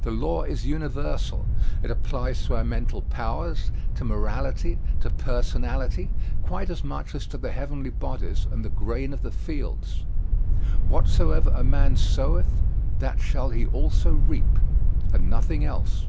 The law is universal: it applies to our mental powers, to morality, to personality, quite as much as to the heavenly bodies and the grain of the fields. "Whatsoever a man soweth that shall he also reap," and nothing else.